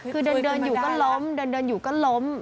คือเดินอยู่ก็ล้มเดินอยู่ก็ล้ม